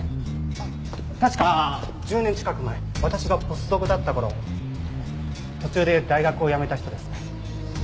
あっ確か１０年近く前私がポスドクだった頃途中で大学をやめた人ですね。